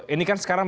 ini kan sekarang